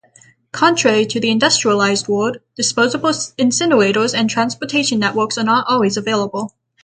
Contrary to the industrialized world, disposal incinerators and transportation networks are not always available.